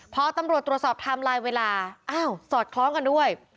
พอตำรวจตรวจสอบไทม์ไลน์เวลาอ้าวสอดคล้องกันด้วย